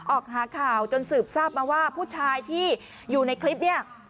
ออกหาข่าวจนสืบทราบมาว่าผู้ชายที่อยู่ในคลิปเนี่ย